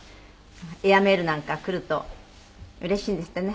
エアメールなんか来るとうれしいんですってね。